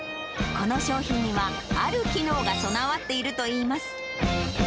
この商品には、ある機能が備わっているといいます。